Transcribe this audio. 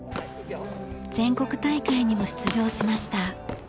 全国大会にも出場しました。